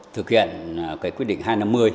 thực hiện quyết định hai năm mươi